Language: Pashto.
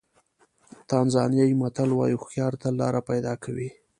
تانزانیایي متل وایي هوښیار تل لاره پیدا کوي.